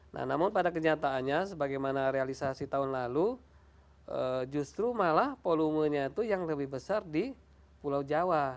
nah namun pada kenyataannya sebagaimana realisasi tahun lalu justru malah volumenya itu yang lebih besar di pulau jawa